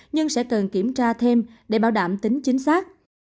nhưng sẽ cần kiểm tra thêm để bảo đảm tính chính xác